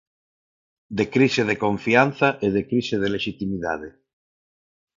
De crise de confianza e de crise de lexitimidade.